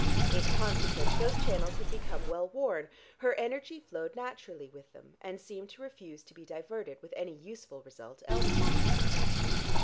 In consequence those channels had become well worn; her energy flowed naturally with them, and seemed to refuse to be diverted, with any useful result, elsewhere.